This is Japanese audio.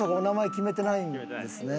決めてないです。